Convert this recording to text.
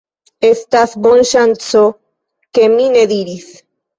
Estas bonŝanco, ke mi ne diris: